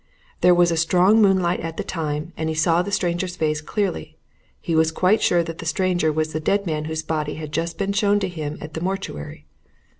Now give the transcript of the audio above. There was a strong moonlight at the time, and he saw the stranger's face clearly. He was quite sure that the stranger was the dead man whose body had just been shown to him at the mortuary.